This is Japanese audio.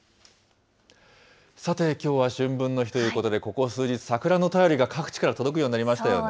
さて、きょうは春分の日ということで、ここ数日、桜の便りが各地から届くようになりましたよね。